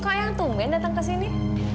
kok eang tumen datang ke sini